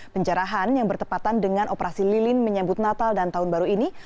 penjarahan yang bertepatan dengan operasi lilin menyambut natal dan tahun baru ini